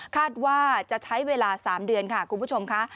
คาดว่าจะใช้เวลา๓เดือนค่ะคุณผู้ชมค่ะ